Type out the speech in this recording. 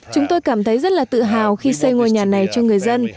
chúng tôi cảm thấy rất là tự hào khi xây ngôi nhà này cho người dân